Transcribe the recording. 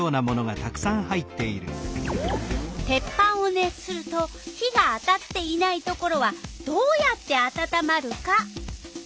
「鉄板を熱すると火が当たっていないところはどうやってあたたまるか」。